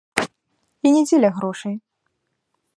І не дзеля грошай.